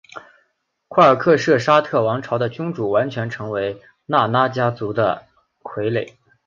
廓尔喀族沙阿王朝的君主完全成为拉纳家族的傀儡。